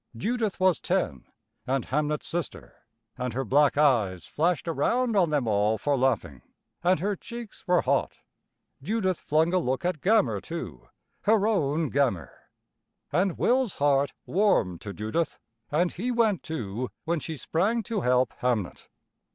Judith was ten, and Hamnet's sister, and her black eyes flashed around on them all for laughing, and her cheeks were hot. Judith flung a look at Gammer, too, her own Gammer. And Will's heart warmed to Judith, and he went too when she sprang to help Hamnet.